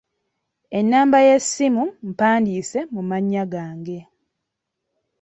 Ennamba y'essimu mpandiise mu mannya gange.